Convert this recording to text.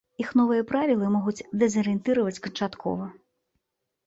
Іх новыя правілы могуць дэзарыентаваць канчаткова.